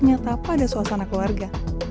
nyata pada suasana keluarga